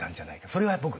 それは僕